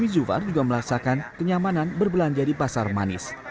zufar juga merasakan kenyamanan berbelanja di pasar manis